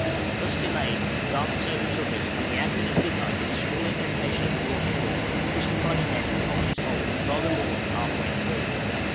Thus delayed, darkness overtook us, and we anchored at midnight in a small indentation of the north shore, christened by the men Fox's Hole, rather more than half way through.